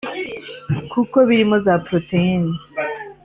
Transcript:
kuko birimo za proteins